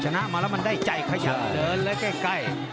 ชนะมาแล้วมันได้ใจขยะเดินเลยใกล้